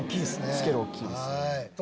スケール大っきいですね。